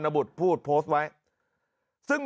มีพฤติกรรมเสพเมถุนกัน